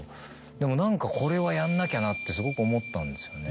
でも何かこれはやんなきゃなってすごく思ったんですよね。